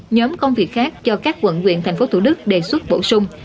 một mươi nhóm công việc khác cho các quận nguyện thành phố thủ đức đề xuất bổ sung